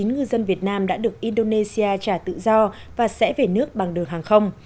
ba mươi chín ngư dân việt nam đã được indonesia trả tự do và xé về nước bằng đường hàng không